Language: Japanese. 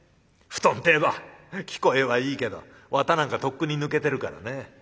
布団って言えば聞こえはいいけど綿なんかとっくに抜けてるからね。